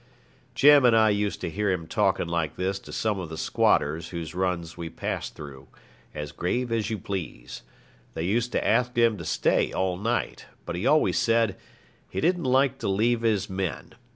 Jim and I used to hear him talking like this to some of the squatters whose runs we passed through, as grave as you please. They used to ask him to stay all night, but he always said 'he didn't like to leave his men.